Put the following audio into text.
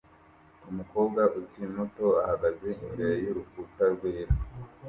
Umukobwa ukiri muto ahagaze imbere y'urukuta rwera